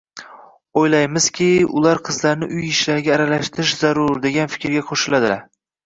O‘ylaymizki, ular “qizlarni uy ishlariga aralashtirish zarur”, degan fikrga qo‘shiladilar.